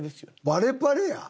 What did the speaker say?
バレバレや。